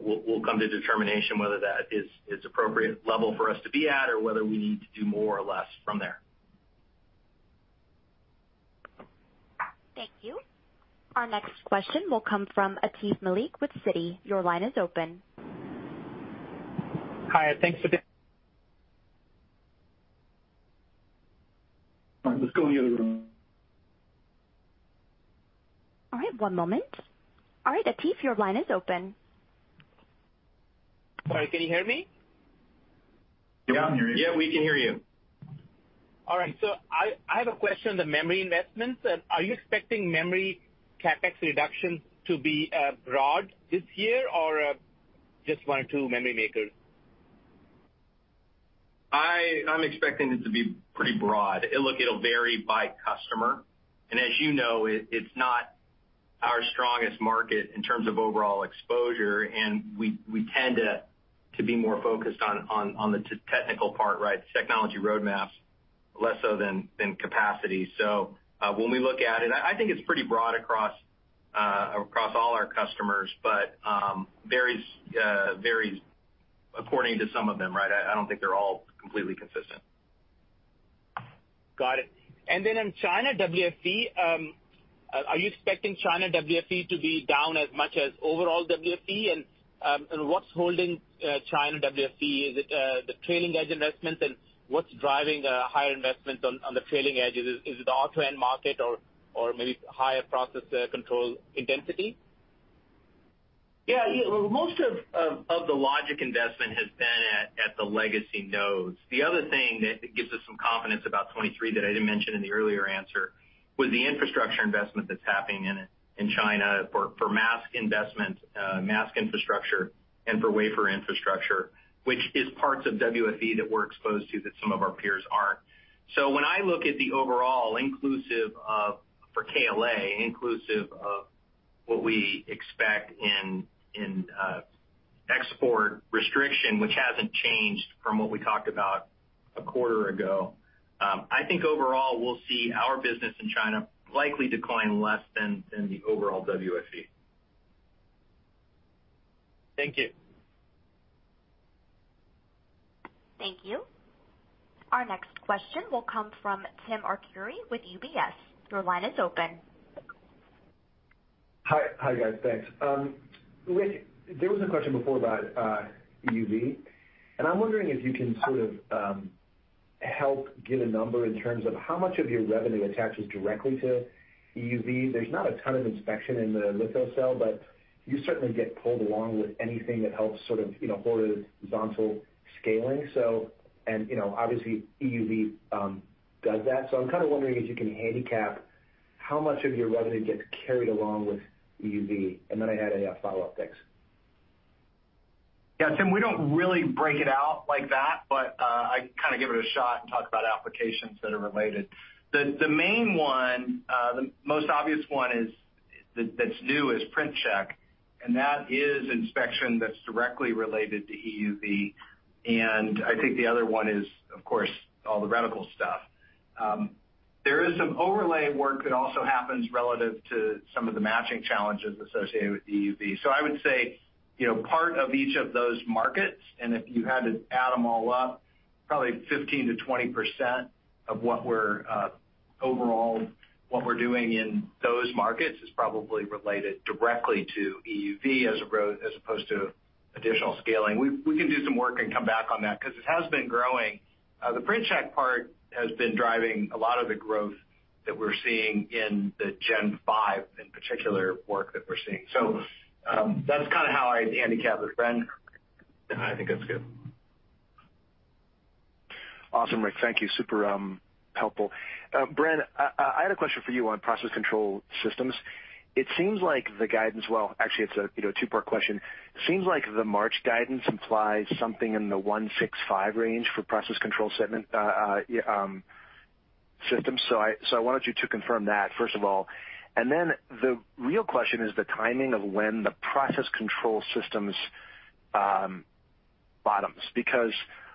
we'll come to a determination whether that is appropriate level for us to be at or whether we need to do more or less from there. Thank you. Our next question will come from Atif Malik with Citi. Your line is open. Hi, thanks for. All right, one moment. All right, Atif, your line is open. Sorry, can you hear me? Yeah. Yeah, we can hear you. All right, I have a question on the memory investments. Are you expecting memory CapEx reductions to be broad this year or just one or two memory makers? I'm expecting it to be pretty broad. It'll vary by customer. As you know, it's not our strongest market in terms of overall exposure, and we tend to be more focused on the technical part, right, the technology roadmap, less so than capacity. When we look at it, I think it's pretty broad across all our customers, but varies according to some of them, right? I don't think they're all completely consistent. Got it. In China WFE, are you expecting China WFE to be down as much as overall WFE? What's holding China WFE? Is it the trailing edge investments? What's driving higher investments on the trailing edge? Is it the auto end market or maybe higher process control intensity? You know, most of the logic investment has been at the legacy nodes. The other thing that gives us some confidence about 23 that I didn't mention in the earlier answer was the infrastructure investment that's happening in China for mask investment, mask infrastructure, and for wafer infrastructure, which is parts of WFE that we're exposed to that some of our peers aren't. When I look at the overall inclusive of, for KLA, inclusive of what we expect in export restriction, which hasn't changed from what we talked about a quarter ago, I think overall we'll see our business in China likely decline less than the overall WFE. Thank you. Thank you. Our next question will come from Timothy Arcuri with UBS. Your line is open. Hi, guys. Thanks. Rick, there was a question before about EUV, and I'm wondering if you can sort of, help give a number in terms of how much of your revenue attaches directly to EUV. There's not a ton of inspection in the litho cell, but you certainly get pulled along with anything that helps sort of, you know, horizontal scaling. And, you know, obviously, EUV, does that. I'm kind of wondering if you can handicap how much of your revenue gets carried along with EUV. Then I had a follow-up. Thanks. Tim, we don't really break it out like that, but I can kind of give it a shot and talk about applications that are related. The main one, the most obvious one that's new is PrintCheck, and that is inspection that's directly related to EUV. I think the other one is, of course, all the reticle stuff. There is some overlay work that also happens relative to some of the matching challenges associated with EUV. I would say, you know, part of each of those markets, and if you had to add them all up, probably 15%-20% of what we're overall, what we're doing in those markets is probably related directly to EUV as opposed to additional scaling. We can do some work and come back on that 'cause it has been growing. The PrintCheck part has been driving a lot of the growth that we're seeing in the Gen 5 in particular work that we're seeing. That's kinda how I handicap it. Bren? I think that's good. Awesome, Rick Wallace. Thank you. Super helpful. Bren Higgins, I had a question for you on process control systems. Well, actually it's a, you know, two-part question. It seems like the March guidance implies something in the $165 range for process control segment systems. I wanted you to confirm that, first of all. Then the real question is the timing of when the process control systems, Bottoms.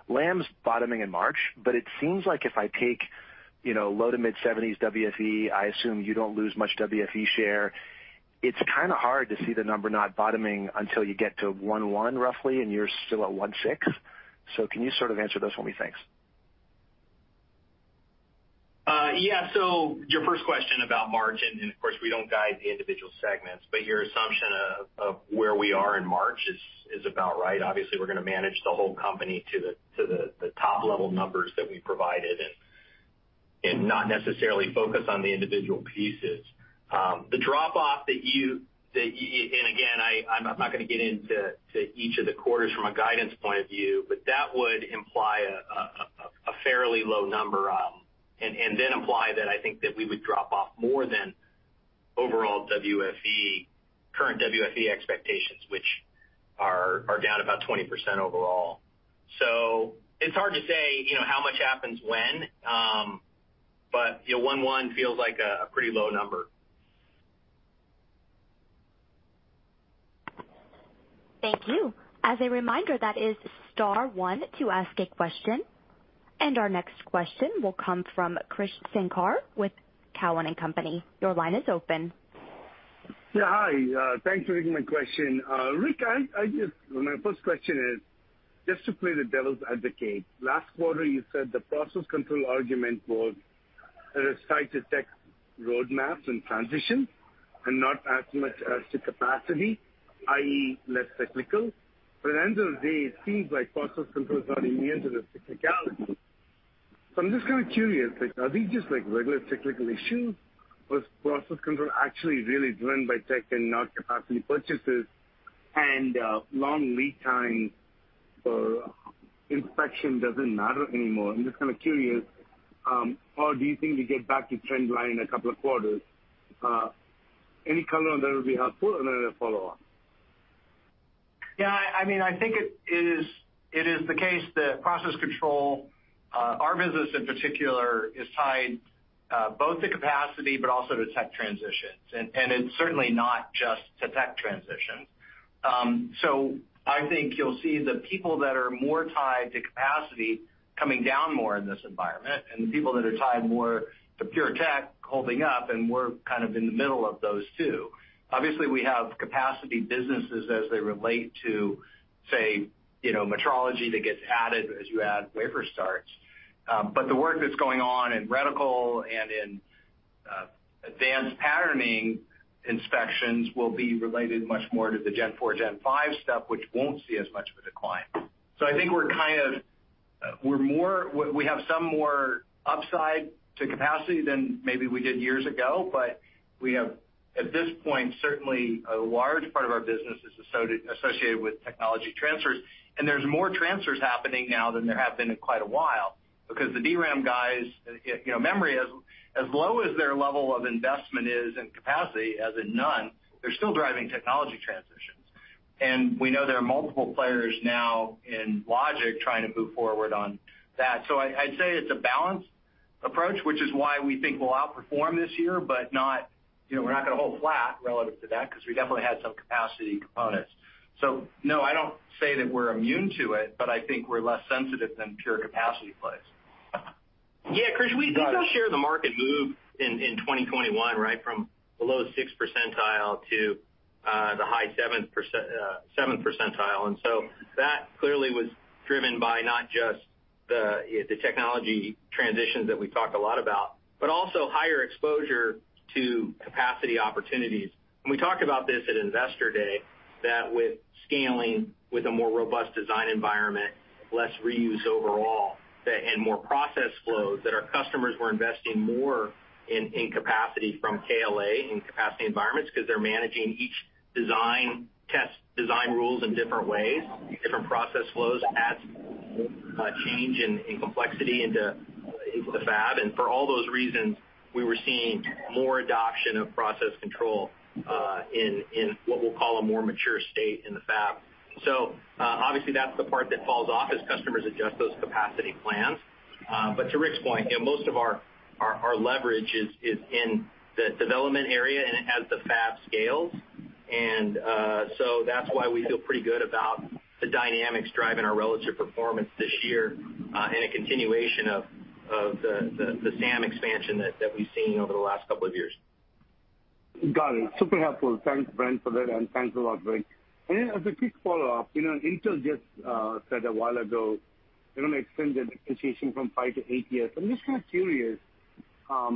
Lam's bottoming in March. It seems like if I take, you know, low to mid-$70 billion WFE, I assume you don't lose much WFE share. It's kind of hard to see the number not bottoming until you get to $110 billion roughly. You're still at $160 billion. Can you sort of answer those for me? Thanks. Yeah. Your first question about margin, of course, we don't guide the individual segments, but your assumption of where we are in March is about right. Obviously, we're gonna manage the whole company to the top-level numbers that we provided and not necessarily focus on the individual pieces. The drop off, again, I'm not gonna get into each of the quarters from a guidance point of view, but that would imply a fairly low number, then imply that I think that we would drop off more than overall WFE, current WFE expectations, which are down about 20% overall. It's hard to say, you know, how much happens when, but, you know, one-one feels like a pretty low number. Thank you. As a reminder, that is star one to ask a question. Our next question will come from Krish Sankar with Cowen and Company. Your line is open. Yeah, hi. Thanks for taking my question. Rick, I just my first question is just to play the devil's advocate. Last quarter, you said the process control argument was tied to tech roadmaps and transition, and not as much as to capacity, i.e., less cyclical. At the end of the day, it seems like process control is not immune to the cyclicality. I'm just kind of curious, like are these just like regular cyclical issues? Was process control actually really driven by tech and not capacity purchases, and long lead time for inspection doesn't matter anymore? I'm just kind of curious, how do you think we get back to trend line in a couple of quarters? Any color on that would be helpful, and then a follow-up. I mean, I think it is, it is the case that process control, our business in particular is tied, both to capacity, but also to tech transitions, and it's certainly not just to tech transitions. I think you'll see the people that are more tied to capacity coming down more in this environment, and the people that are tied more to pure tech holding up, we're kind of in the middle of those two. Obviously, we have capacity businesses as they relate to, say, you know, metrology that gets added as you add wafer starts. The work that's going on in reticle and in advanced patterning inspections will be related much more to the Gen 4, Gen 5 stuff, which won't see as much of a decline. I think we're kind of, we have some more upside to capacity than maybe we did years ago, but we have, at this point, certainly a large part of our business is associated with technology transfers, and there's more transfers happening now than there have been in quite a while. The DRAM guys, you know, memory, as low as their level of investment is in capacity, as in none, they're still driving technology transitions. We know there are multiple players now in logic trying to move forward on that. I'd say it's a balanced approach, which is why we think we'll outperform this year, but not, you know, we're not gonna hold flat relative to that 'cause we definitely had some capacity components. No, I don't say that we're immune to it, but I think we're less sensitive than pure capacity plays. Yeah, Krish, we did share the market move in 2021, right from below the 6th percentile to the high 7th percentile. That clearly was driven by not just the technology transitions that we talk a lot about, but also higher exposure to capacity opportunities. We talked about this at Investor Day, that with scaling with a more robust design environment, less reuse overall, that and more process flows, that our customers were investing more in capacity from KLA and capacity environments 'cause they're managing each design test, design rules in different ways, different process flows adds change in complexity into the fab. For all those reasons, we were seeing more adoption of process control in what we'll call a more mature state in the fab. Obviously, that's the part that falls off as customers adjust those capacity plans. To Rick's point, you know, most of our leverage is in the development area and it has the fab scales. That's why we feel pretty good about the dynamics driving our relative performance this year, and a continuation of the SAM expansion that we've seen over the last couple of years. Got it. Super helpful. Thanks, Bren, for that, and thanks a lot, Rick. As a quick follow-up, you know, Intel just said a while ago they're gonna extend their depreciation from five to eight years. I'm just kind of curious, does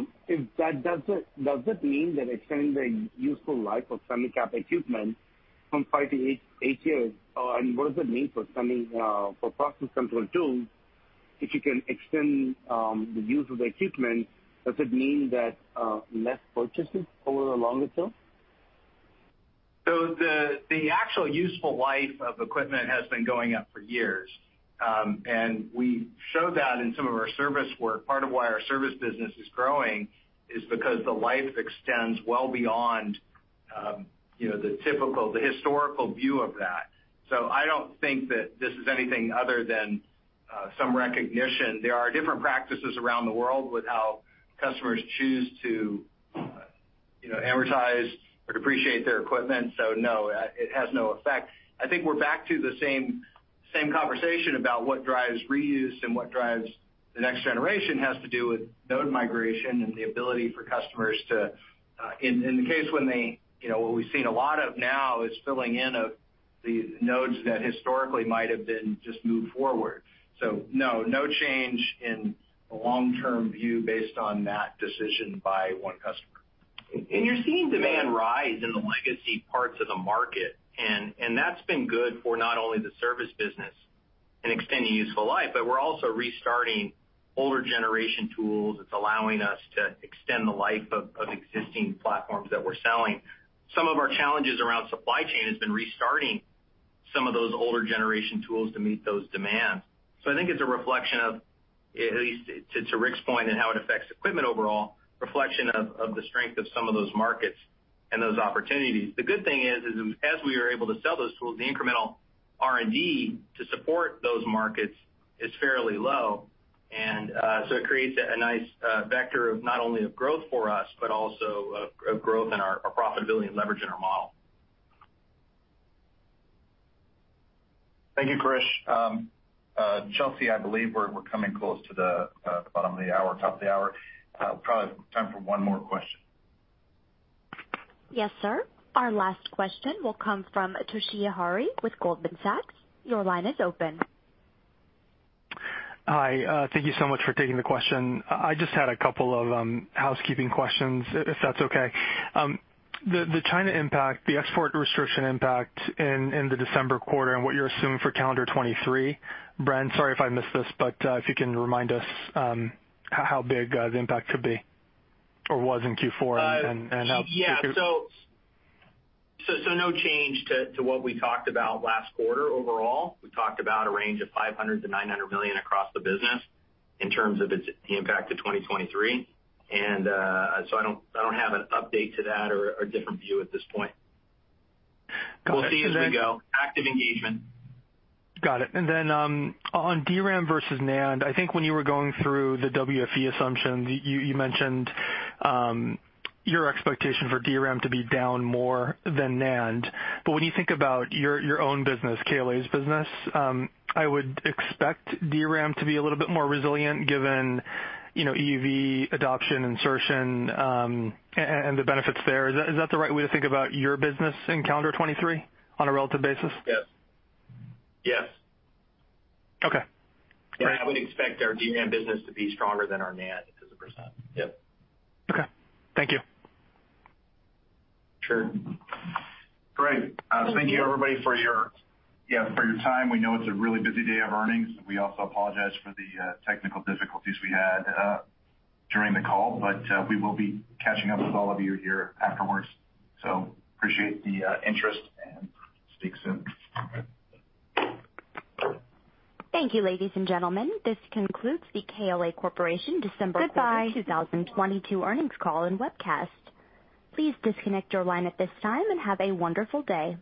it mean they're extending the useful life of semi-cap equipment from five to eight years? What does it mean for semi for process control tools, if you can extend the use of the equipment, does it mean that less purchases over the longer term? The actual useful life of equipment has been going up for years. And we show that in some of our service work. Part of why our service business is growing is because the life extends well beyond, you know, the typical, the historical view of that. I don't think that this is anything other than some recognition. There are different practices around the world with how customers choose to, you know, amortize or depreciate their equipment. No, it has no effect. I think we're back to the same conversation about what drives reuse and what drives the next generation has to do with node migration and the ability for customers to, in the case when they, you know, what we've seen a lot of now is filling in of the nodes that historically might have been just moved forward. No, no change in the long-term view based on that decision by one customer. You're seeing demand rise in the legacy parts of the market, and that's been good for not only the service business and extending useful life, but we're also restarting older generation tools. It's allowing us to extend the life of existing platforms that we're selling. Some of our challenges around supply chain has been restarting some of those older generation tools to meet those demands. I think it's a reflection of, at least to Rick's point and how it affects equipment overall, reflection of the strength of some of those markets and those opportunities. The good thing is, as we are able to sell those tools, the incremental R&D to support those markets is fairly low. It creates a nice vector of not only of growth for us, but also of growth in our profitability and leverage in our model. Thank you, Krish. Chelsea, I believe we're coming close to the bottom of the hour, top of the hour. Probably time for one more question. Yes, sir. Our last question will come from Toshiya Hari with Goldman Sachs. Your line is open. Hi. Thank you so much for taking the question. I just had a couple of housekeeping questions, if that's okay. The China impact, the export restriction impact in the December quarter, and what you're assuming for calendar 2023. Brian, sorry if I missed this, but if you can remind us how big the impact could be or was in Q4 and how. Yeah. No change to what we talked about last quarter overall. We talked about a range of $500 million-$900 million across the business in terms of its, the impact to 2023. I don't have an update to that or a different view at this point. We'll see as we go. Active engagement. Got it. On DRAM versus NAND, I think when you were going through the WFE assumption, you mentioned your expectation for DRAM to be down more than NAND. When you think about your own business, KLA's business, I would expect DRAM to be a little bit more resilient given, you know, EUV adoption, insertion, and the benefits there. Is that the right way to think about your business in calendar 2023 on a relative basis? Yes. Yes. Okay. Yeah, I would expect our DRAM business to be stronger than our NAND as a %. Yep. Okay. Thank you. Sure. Great. Thank you, everybody, for your time. We know it's a really busy day of earnings. We also apologize for the technical difficulties we had during the call. We will be catching up with all of you here afterwards. Appreciate the interest, and speak soon. Thank you, ladies and gentlemen. This concludes the KLA Corporation December quarter 2022 earnings call and webcast. Please disconnect your line at this time, and have a wonderful day.